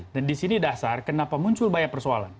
dan di sini dasar kenapa muncul banyak persoalan